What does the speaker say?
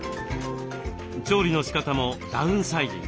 調理のしかたもダウンサイジング。